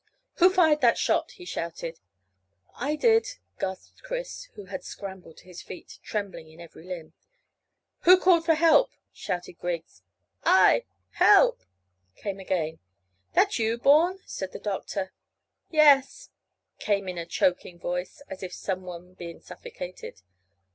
"Who fired that shot?" he shouted. "I did," gasped Chris, who had scrambled to his feet, trembling in every limb. "Who called for help?" shouted Griggs. "I! Help!" came again. "That you, Bourne?" said the doctor. "Yes," came in a choking voice as of some one being suffocated.